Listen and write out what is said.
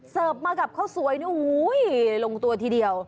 เสิร์ฟมากับข้าวสวยลงตัวทีเดียว